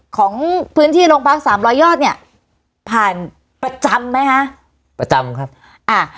ของพื้นที่โรงพักสามร้อยยอดเนี้ยผ่านประจำไหมฮะประจำครับอ่า